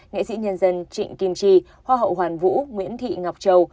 nghệ sĩ nhân dân trịnh kim chi hoa hậu hoàn vũ nguyễn thị ngọc châu